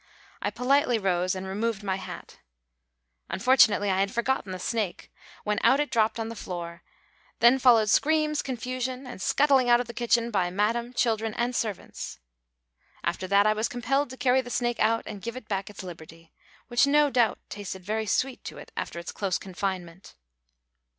I politely rose and removed my hat. Unfortunately I had forgotten the snake, when out it dropped on the floor; then followed screams, confusion and scuttling out of the kitchen by madame, children, and servants. After that I was compelled to carry the snake out and give it back its liberty, which no doubt tasted very sweet to it after its close confinement.